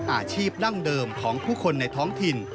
อาชีพดั้งเดิมของผู้คนในท้องถิ่น